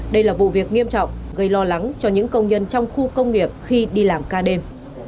đây là vụ việc nghiêm trọng gây lo lắng cho những công nhân trong khu công nghiệp khi đi làm ca đêm